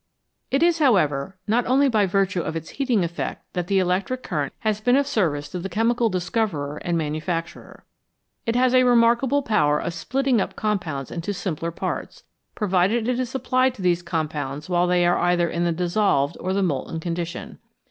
It is, however, not only by virtue of its heating effect that the * electric current has been of service to the 296 CHEMISTRY AND ELECTRICITY chemical discoverer and manufacturer. It has a re markable power of splitting up compounds into simpler parts, provided it is applied to these compounds while they are either in the dissolved or the molten con dition.